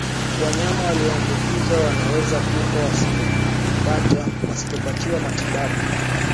Wanyama walioambukizwa wanaweza kufa wasipopatiwa matibabu